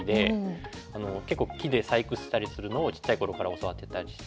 結構木で細工したりするのをちっちゃいころから教わってたりして。